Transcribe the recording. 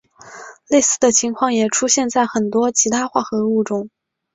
类似的情况也出现在很多其他化合物中。